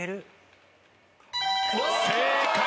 正解。